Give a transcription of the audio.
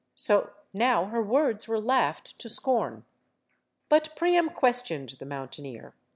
So now her words were laughed to scorn. But Priam questioned the mountaineer.